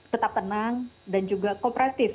tetap tenang dan juga kooperatif